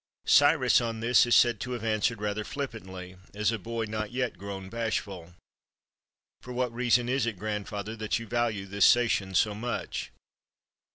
Cyrus on this is said to have answered rather flip pantly, as a boy not yet grown bashful: —" For what reason is it, grandfather, that you value this Sacian so much?"